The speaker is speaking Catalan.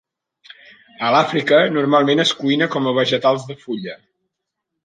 A l'Àfrica, normalment es cuina com a vegetals de fulla.